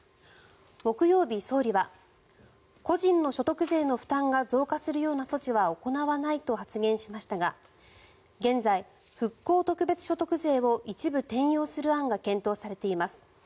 木曜日、総理は個人の所得税の負担が増加するような措置は行わないと発言しましたが現在、復興特別所得税を一部転用する案が検討されています。